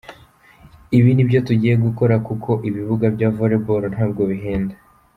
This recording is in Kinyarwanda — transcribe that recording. Ibi ni byo tugiye gukora kuko ibibuga bya Volleyball ntabwo bihenda.